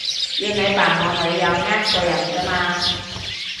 要你扮我女友呃個人咋嘛